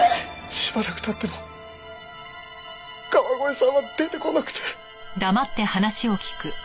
しばらく経っても川越さんは出てこなくて。